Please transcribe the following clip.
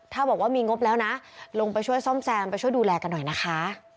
ถ้าบอกว่ามีงบแล้วนะลงไปช่วยซ่อมแซมไปช่วยดูแลกันหน่อยนะคะ